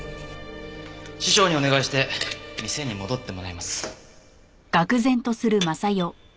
師匠にお願いして店に戻ってもらいます。